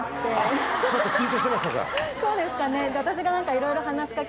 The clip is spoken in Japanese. そうですかね。